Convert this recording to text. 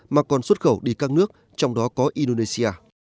mà còn xuất khẩu đi các nước trong đó có indonesia